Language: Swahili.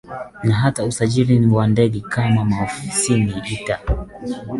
na hata usafiri wa ndege kama maofisini ita